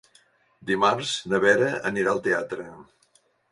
Dimarts na Vera anirà al teatre.